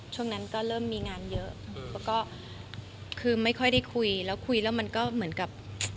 ช่วงนั้นก็เริ่มมีงานเยอะแล้วก็คือไม่ค่อยได้คุยแล้วคุยแล้วมันก็เหมือนกับ